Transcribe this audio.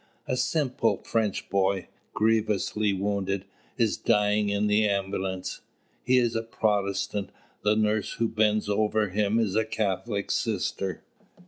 A simple French boy, grievously wounded, is dying in the ambulance. He is a Protestant The nurse who bends over him is a Catholic sister.